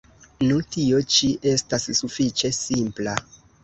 Nu, tio ĉi estas sufiĉe simpla.